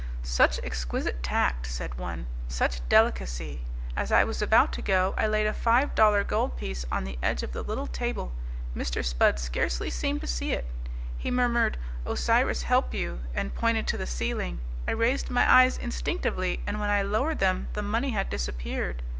"Such exquisite tact!" said one. "Such delicacy! As I was about to go I laid a five dollar gold piece on the edge of the little table. Mr. Spudd scarcely seemed to see it. He murmured, 'Osiris help you!' and pointed to the ceiling. I raised my eyes instinctively, and when I lowered them the money had disappeared.